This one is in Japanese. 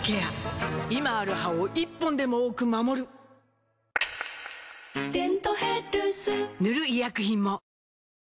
今ある歯を１本でも多く守る「デントヘルス」塗る医薬品も